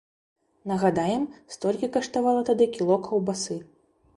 Нагадаем, столькі каштавала тады кіло каўбасы.